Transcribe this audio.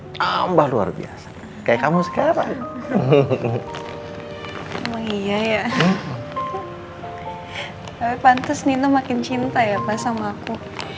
tambah luar biasa kayak kamu sekarang hehehe memang iya ya pantas nino makin cinta ya pas sama aku